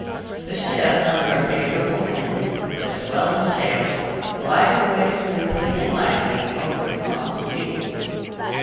The ship, under a favorable wind, with swelling sails, glided away smoothly and lightly over the calm sea.